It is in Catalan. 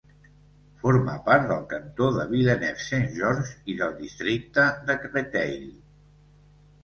Forma part del cantó de Villeneuve-Saint-Georges i del districte de Créteil.